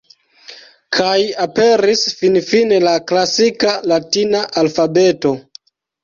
Kaj aperis finfine la "klasika" latina alfabeto.